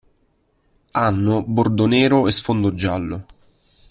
Hanno bordo nero e sfondo giallo.